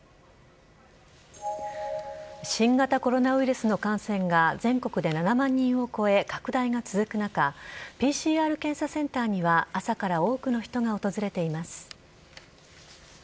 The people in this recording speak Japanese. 新型コロナウイルスの感染が全国で７万人を超え拡大が続く中ＰＣＲ検査センターには朝から多くの人が訪れています。